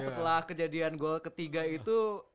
setelah kejadian gol ketiga itu